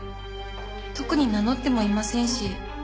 特に名乗ってもいませんし。